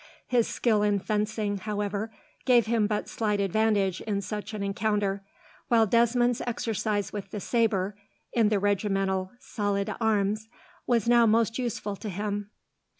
His skill in fencing, however, gave him but slight advantage in such an encounter, while Desmond's exercise with the sabre, in the regimental salle d'armes, was now most useful to him.